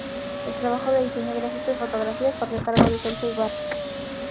El trabajo de diseño gráfico y fotografía corrió a cargo de "Sergio Ibarra".